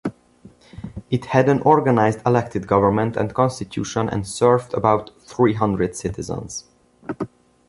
It had an organized elected government and constitution and served about three hundred citizens.